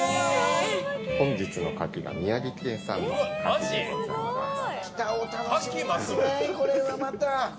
本日のカキが宮城県産のカキです。